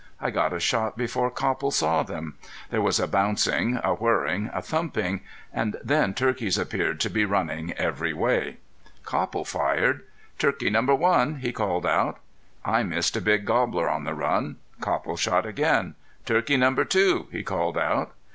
I got a shot before Copple saw them. There was a bouncing, a whirring, a thumping and then turkeys appeared to be running every way. Copple fired. "Turkey number one!" he called out. I missed a big gobbler on the run. Copple shot again. "Turkey number two!" he called out.